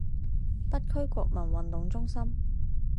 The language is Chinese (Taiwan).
北區國民運動中心